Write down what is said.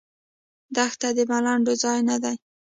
دښته د ملنډو ځای نه دی.